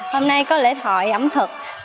hôm nay có lễ thọi ẩm thực